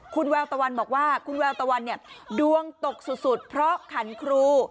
คุณแววตะวันบอกว่าคุณแววตะวันเนี่ยดวงตกสุดเพราะขันครู